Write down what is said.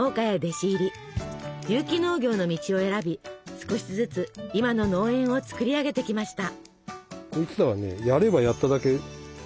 有機農業の道を選び少しずつ今の農園をつくり上げてきました。